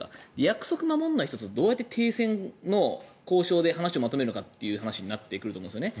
約束を守らない人とどうやって停戦交渉で話をまとめるかとなってくると思うんですね。